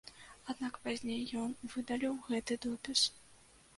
Аднак пазней ён выдаліў гэты допіс.